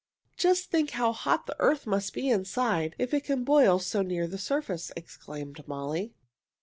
"Just think how hot the earth must be inside, if it can boil so near the surface!" exclaimed Molly.